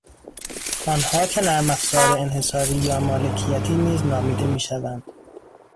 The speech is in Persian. آنها که نرمافزار انحصاری یا مالکیتی نیز نامیده میشوند